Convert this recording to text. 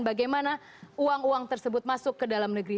bagaimana uang uang tersebut masuk ke dalam negeri